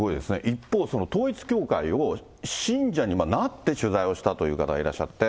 一方その統一教会を、信者になって取材をしたという方がいらっしゃって。